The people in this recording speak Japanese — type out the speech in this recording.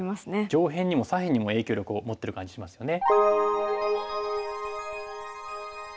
上辺にも左辺にも影響力を持ってる感じしますよね。